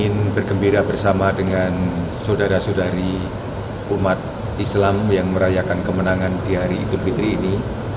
terima kasih umat islam yang merayakan kemenangan di hari idul fitri ini